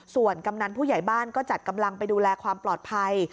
ส่วนกำนันผู้ใหญ่บ้านก็จัดกำลังไปดูแลความปลอดภัย